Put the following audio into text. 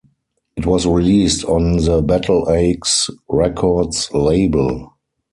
It was released on the Battleaxe Records label.